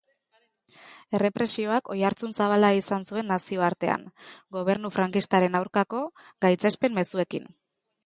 Errepresioak oihartzun zabala izan zuten nazioartean, gobernu frankistaren aurkako gaitzespen-mezuekin.